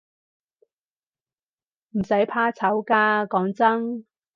唔使怕醜㗎，講真